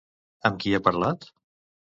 Amb qui ha parlat?